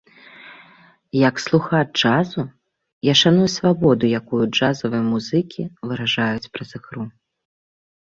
Як слухач джазу, я шаную свабоду, якую джазавыя музыкі выражаюць праз ігру.